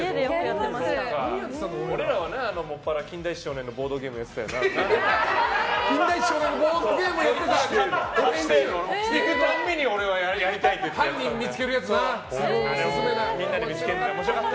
俺らは、もっぱら「金田一少年」の「金田一少年」のボードゲームやってた！